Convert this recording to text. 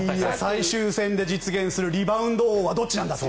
最終戦で実現するリバウンド王はどちらなんだと。